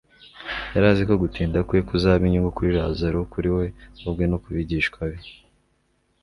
Yari, aziko gutinda kwe kuzaba inyungu kuri Lazaro, kuri we ubwe no ku bigishwa be.